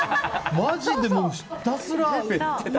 マジで、ひたすら。